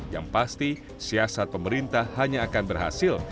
yang pasti siasat pemerintah hanya akan berhasil